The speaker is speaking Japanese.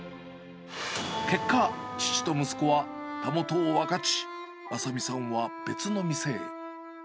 結果、父と息子はたもとを分かち、正巳さんは別の店へ。